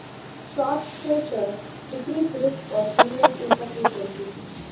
Short stature decrease risk of venous insufficiency.